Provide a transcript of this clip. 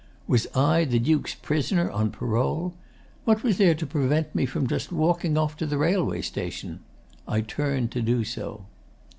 Was I the Duke's prisoner on parole? What was there to prevent me from just walking off to the railway station? I turned to do so.